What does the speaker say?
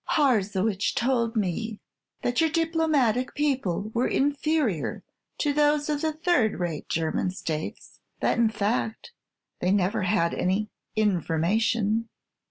"Harzewitch told me that your diplomatic people were inferior to those of the third rate German States; that, in fact, they never had any 'information.'"